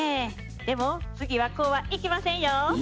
でも次はこうはいきませんよ！